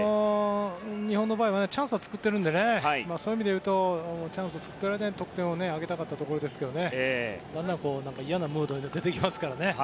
日本の場合はチャンスを作っているのでそういう意味で言うとチャンスを作っている間に得点を挙げたかったですがだんだん嫌なムードが出てきますからね。